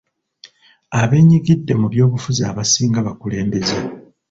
Abeenyigidde mu by'obufuzi abasinga bakulembeze.